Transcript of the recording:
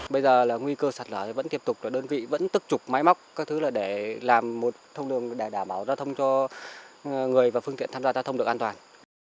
bây giờ là nguy cơ sạt lở vẫn tiếp tục là đơn vị vẫn tức trục máy móc các thứ là để làm một thông đường để đảm bảo giao thông cho người và phương tiện tham gia giao thông được an toàn